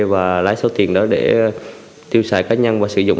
và lấy số tiền đó để tiêu xài cá nhân và sử dụng